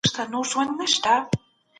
هغه نه غواړي رازونه افشا کړي.